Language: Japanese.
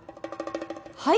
はい？